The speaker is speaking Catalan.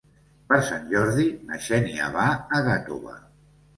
Per Sant Jordi na Xènia va a Gàtova.